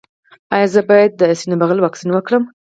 ایا زه باید د سینه بغل واکسین وکړم؟